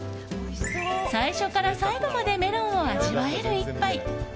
最初から最後までメロンを味わえる一杯。